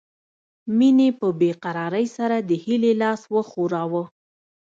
مينې په بې قرارۍ سره د هيلې لاس وښوراوه